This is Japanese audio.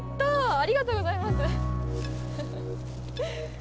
ありがとうございますフフフ。